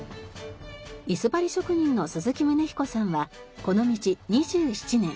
椅子張り職人の鈴木宗彦さんはこの道２７年。